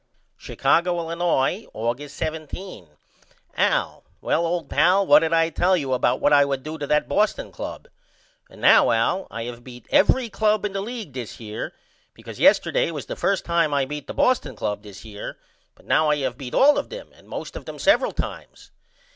Chicago, Illinois, August 17. AL: Well old pal what did I tell you about what I would do to that Boston Club? And now Al I have beat every club in the league this year because yesterday was the first time I beat the Boston Club this year but now I have beat all of them and most of them severel times.